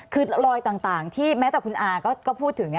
คือรอยต่างที่แม้แต่คุณอาก็พูดถึง